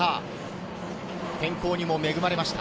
天候にも恵まれました。